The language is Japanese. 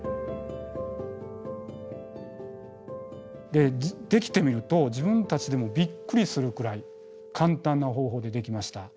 でできてみると自分たちでもびっくりするくらい簡単な方法でできました。